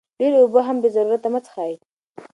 ډېرې اوبه هم بې ضرورته مه څښئ.